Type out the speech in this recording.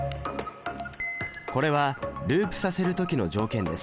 これはループさせる時の条件です。